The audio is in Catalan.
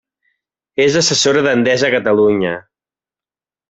És assessora d'Endesa a Catalunya.